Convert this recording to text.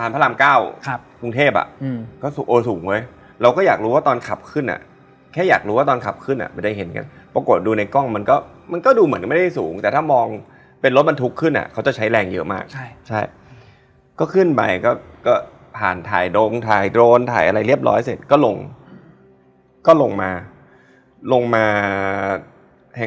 ผมเปิดไฟที่ไว้ก็ได้อะเจ๊เจ๊อยู่ตรงนี้ผู้จัดการของเขาอะนอน